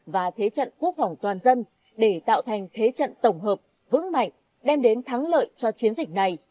và thế trận quốc phòng toàn dân để tạo thành thế trận tổng hợp vững mạnh đem đến thắng lợi cho chiến dịch này